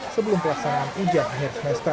sebelum pelaksanaan ujian akhir semester